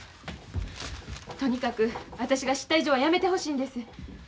とにかく私が知った以上はやめてほしいんです。